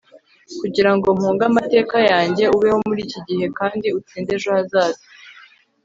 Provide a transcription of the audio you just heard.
kugira ngo mpunge amateka yanjye, ubeho muri iki gihe, kandi utsinde ejo hazaza